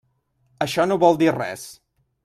Això no vol dir res.